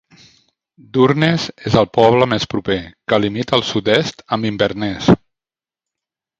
Durness és el poble més proper, que limita al sud-est amb Inverness.